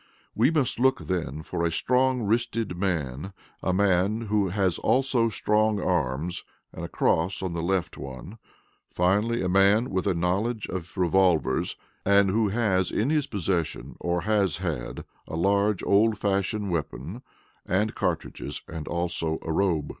"We must look then for a strong wristed man a man who has also strong arms, and a cross on the left one; finally, a man with a knowledge of revolvers, and who has in his possession or has had a large, old fashioned weapon and cartridges, and also a robe.